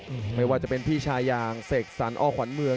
ให้ดังครับไม่ว่าจะเป็นพี่ชายางเศกศรอควันเมือง